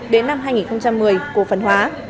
đến năm hai nghìn một mươi cổ phần hóa